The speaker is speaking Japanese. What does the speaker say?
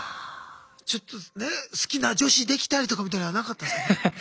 ちょっとね好きな女子できたりとかみたいなのはなかったんですか？